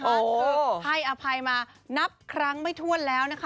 คือให้อภัยมานับครั้งไม่ถ้วนแล้วนะคะ